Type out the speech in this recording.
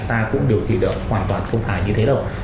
ta cũng điều trị được hoàn toàn không phải như thế đâu